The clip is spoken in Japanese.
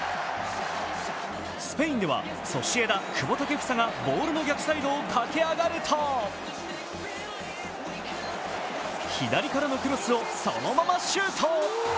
スペインではソシエダ・久保建英がボールの逆サイドを駆け上がると左からのクロスをそのままシュート！